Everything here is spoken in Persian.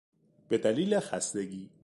به دلیل خستگی